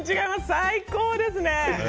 最高ですね。